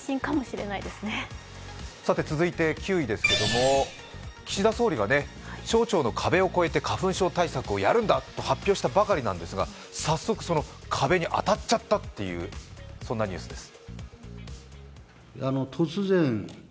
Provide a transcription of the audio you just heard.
続いて、９位ですけど岸田総理が省庁の壁を越えて花粉症対策をやるんだと発表したばかりなんですが早速、その壁に当たっちゃったというニュースです。